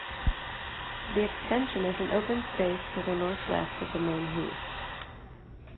The Extension is an open space to the north-west of the main heath.